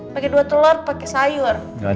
pake dua telur pake sayur